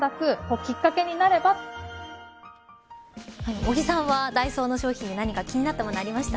尾木さんはダイソーの商品で何か気になったものありますか。